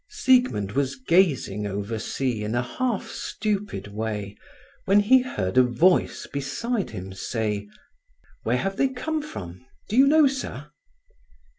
Siegmund was gazing oversea in a half stupid way, when he heard a voice beside him say: "Where have they come from; do you know, sir?"